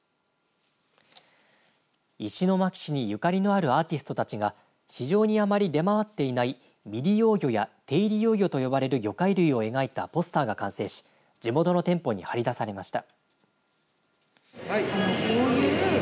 石巻市にゆかりのあるアーティストたちが市場にあまり出回っていない未利用魚や低利用魚と呼ばれる魚介類を描いたポスターが完成し地元の店舗に貼り出されました。